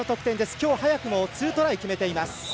きょう早くも２トライ決めています。